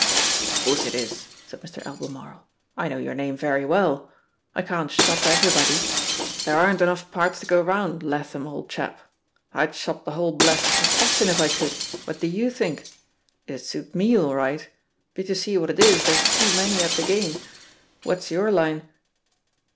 *'0f course it is," said Mr. Albemarle. "I know yoin* name very well. I can't shop every body; there aren't enough parts to go round, Latham, old chap. I'd shop the whole blessed profession, if I could, what do you think? — ^it'd Suit me all right; but you see what it is, there's too many at the game. What's your line